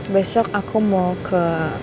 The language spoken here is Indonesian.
besok aku mau ke